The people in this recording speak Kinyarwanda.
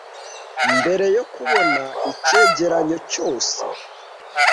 Mbere yo kubona icyegeranyo cyose